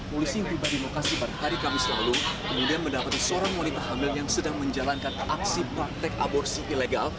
polisi yang tiba di lokasi pada hari kamis lalu kemudian mendapati seorang wanita hamil yang sedang menjalankan aksi praktek aborsi ilegal